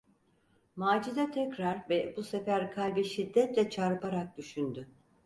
Macide tekrar ve bu sefer kalbi şiddetle çarparak düşündü: